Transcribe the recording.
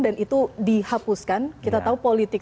dan itu dihapuskan kita tahu politik